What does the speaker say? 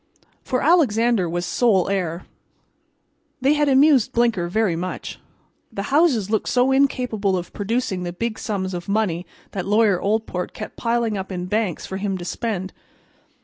For Alexander was sole heir. They had amused Blinker very much. The houses looked so incapable of producing the big sums of money that Lawyer Oldport kept piling up in banks for him to spend.